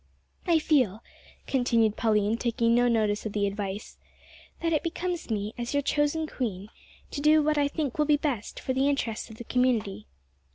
"I feel," continued Pauline, taking no notice of the advice, "that it becomes me, as your chosen queen, to do what I think will be best for the interests of the community."